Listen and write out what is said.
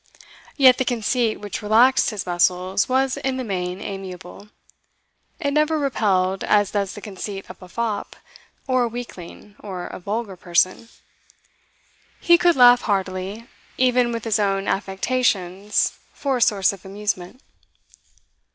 Yet the conceit which relaxed his muscles was in the main amiable; it never repelled as does the conceit of a fop or a weakling or a vulgar person; he could laugh heartily, even with his own affectations for a source of amusement.